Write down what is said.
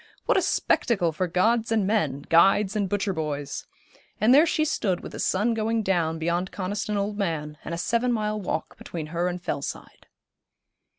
What a spectacle for gods and men, guides and butcher boys. And there she stood with the sun going down beyond Coniston Old Man, and a seven mile walk between her and Fellside.